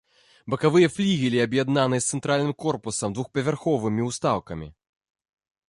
Бакавыя флігелі аб'яднаныя з цэнтральным корпусам двухпавярховымі ўстаўкамі.